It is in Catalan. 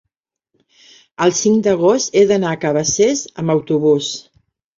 el cinc d'agost he d'anar a Cabacés amb autobús.